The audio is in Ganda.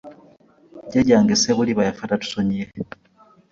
Jjajjange Ssebuliba yafa tatusonyiye.